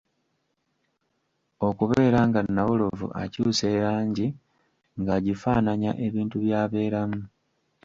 Okubeera nga Nawolovu akyusa erangi ng'agifaananya ebintu by'abeeramu.